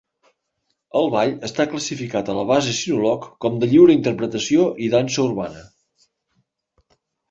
El ball està classificat a la base Sinulog com de Lliure Interpretació i dansa urbana.